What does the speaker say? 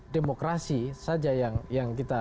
demokrasi saja yang kita